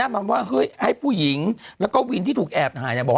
มันว่าเฮ้ยให้ผู้หญิงแล้วก็วินที่ถูกแอบถ่ายเนี่ยบอก